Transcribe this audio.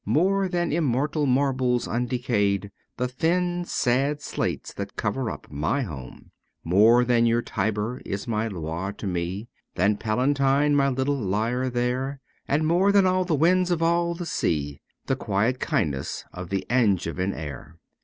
More than immortal marbles undecayed, The thin sad slates that cover up my home ; More than your Tiber is my Loire to me, Than Palatine my little Lyre there ; And more than all the winds of all the sea The quiet kindness of the Angevin air.